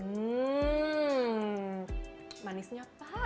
dan merasakan kenikmatan dan kesegaran dari coconut shake ini